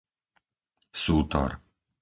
Sútor